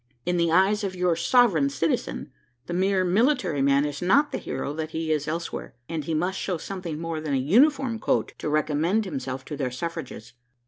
In the eyes of your "sovereign citizen," the mere military man is not the hero that he is elsewhere; and he must show something more than a uniform coat, to recommend himself to their suffrages.